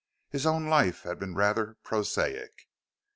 His own life had been rather prosaic.